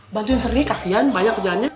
bantuin sri kasihan banyak kerjaannya